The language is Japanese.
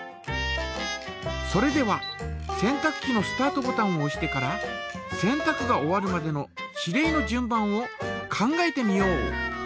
それでは洗濯機のスタートボタンをおしてから洗濯が終わるまでの指令の順番を考えてみよう。